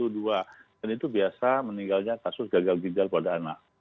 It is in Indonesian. dan itu biasa meninggalnya kasus gagal ginjal pada anak